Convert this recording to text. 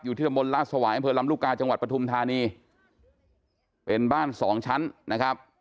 ที่ตำบลลาดสวายอำเภอลำลูกกาจังหวัดปฐุมธานีเป็นบ้านสองชั้นนะครับ